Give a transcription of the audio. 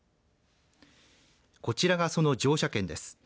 こちらがその乗車券です。